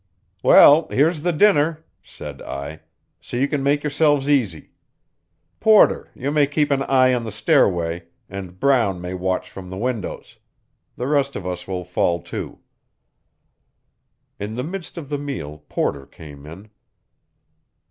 "Well, here's the dinner," said I; "so you can make yourselves easy. Porter, you may keep an eye on the stairway, and Brown may watch from the windows. The rest of us will fall to." In the midst of the meal Porter came in.